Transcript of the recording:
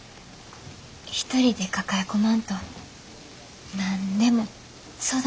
一人で抱え込まんと何でも相談してな。